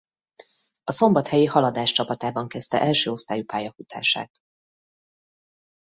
A szombathelyi Haladás csapatában kezdte első osztályú pályafutását.